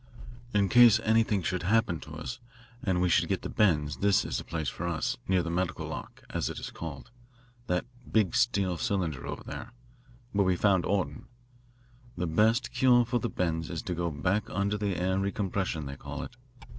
"In case anything should happen to us and we should get the bends this is the place for us, near the medical lock, as it is called that big steel cylinder over there, where we found Orton. The best cure for the bends is to go back under the air recompression they call it.